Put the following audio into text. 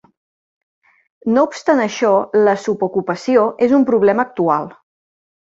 No obstant això, la subocupació és un problema actual.